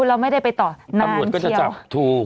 เราไม่ได้ไปต่อนานเชียว